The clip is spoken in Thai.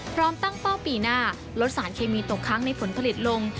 พร้อมตั้งเป้าปีหน้าลดสารเคมีตกค้างในผลผลิตลง